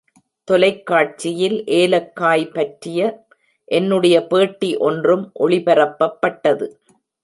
தொலைக் காட்சியில் ஏலக்காய் பற்றிய என்னுடைய பேட்டி ஒன்றும் ஒளிபரப்பப்பட்டது.